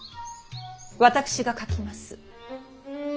私が書きます。